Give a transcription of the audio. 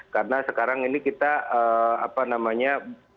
karena sekarang ini kita apa namanya